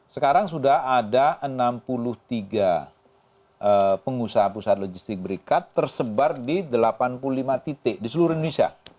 sekarang sudah ada enam puluh tiga pengusaha pusat logistik berikat tersebar di delapan puluh lima titik di seluruh indonesia